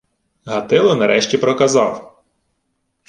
Гатило нарешті проказав: